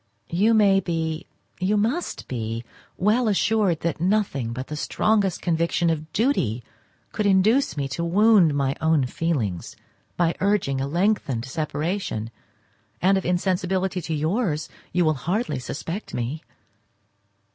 You may be—you must be—well assured that nothing but the strongest conviction of duty could induce me to wound my own feelings by urging a lengthened separation, and of insensibility to yours you will hardly suspect me.